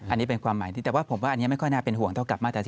อันนี้เป็นความหมายที่แต่ว่าผมว่าอันนี้ไม่ค่อยน่าเป็นห่วงเท่ากับมาตรา๔